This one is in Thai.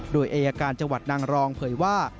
โดยอายการจังหวัดนางรองเผยว่า